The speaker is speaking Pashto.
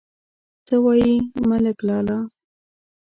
_څه وايي، ملک لالا؟